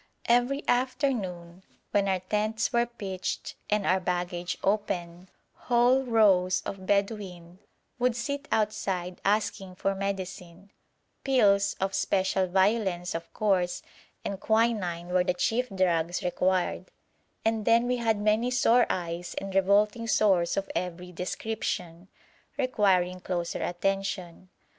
Every afternoon, when our tents were pitched and our baggage open, whole rows of Bedouin would sit outside asking for medicine; pills, of special violence of course, and quinine were the chief drugs required, and then we had many sore eyes and revolting sores of every description, requiring closer attention.